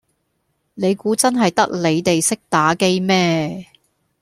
你估真係得你地識打機咩